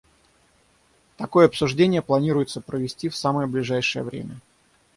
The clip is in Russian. Такое обсуждение планируется провести в самое ближайшее время.